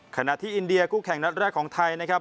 ขณะที่อินเดียคู่แข่งนัดแรกของไทยนะครับ